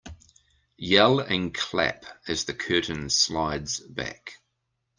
Yell and clap as the curtain slides back.